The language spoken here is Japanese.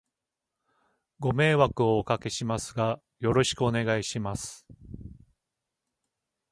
ご迷惑をお掛けしますが、よろしくお願いいたします。